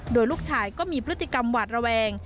โดยลูกชายก็มีพฤติกรรมหวาดระแวง